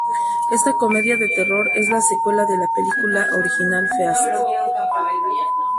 Esta comedia de terror es la secuela de la película original Feast.